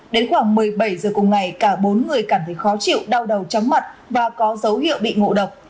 đến khoảng một mươi bảy giờ cùng ngày cả bốn người cảm thấy khó chịu đau đầu chóng mặt và có dấu hiệu bị ngộ độc